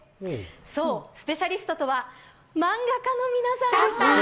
そう、スペシャリストとは漫画家の皆さんです。